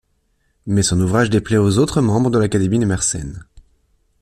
Mais son ouvrage déplaît aux autres membres de l'académie de Mersenne.